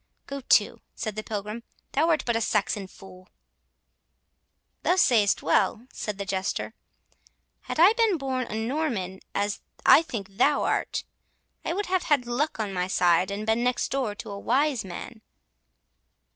"Go to," said the Pilgrim, "thou art but a Saxon fool." "Thou sayst well," said the Jester; "had I been born a Norman, as I think thou art, I would have had luck on my side, and been next door to a wise man."